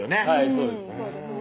そうですね